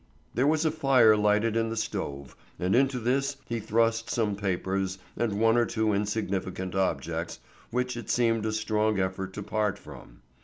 There was a fire lighted in the stove, and into this he thrust some papers and one or two insignificant objects which it seemed a strong effort to part from.